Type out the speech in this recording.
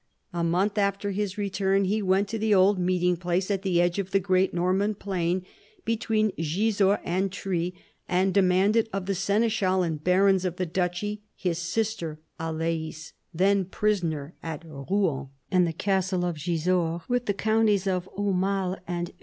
A month after his return he went to the old meeting place at the edge of the great Norman plain betwen Gisors and Tiye, and demanded of the seneschal and barons of the duchy his sister Alais, then prisoner at Rouen, and the castle of G isors with the counties of Aumale and Eu.